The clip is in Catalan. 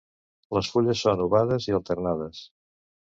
Les fulles són ovades i alternades.